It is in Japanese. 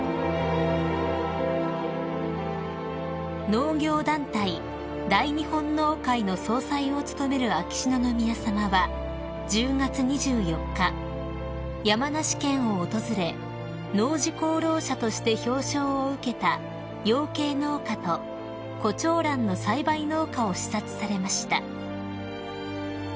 ［農業団体大日本農会の総裁を務める秋篠宮さまは１０月２４日山梨県を訪れ農事功労者として表彰を受けた養鶏農家とコチョウランの栽培農家を視察されました］